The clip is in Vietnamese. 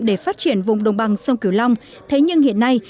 để phát triển vùng đồng bằng sông cửu long thế nhưng hiện nay